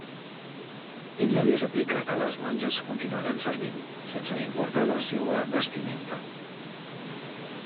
Ella li replica que les monges continuaran servint, sense importar la seua vestimenta.